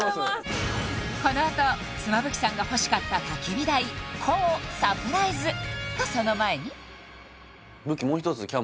このあと妻夫木さんがほしかった焚き火台虎をサプライズとその前にブッキー